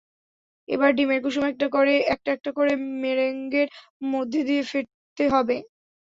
এবার ডিমের কুসুম একটা একটা করে মেরেঙ্গের মধ্যে দিয়ে ফেটতে হবে।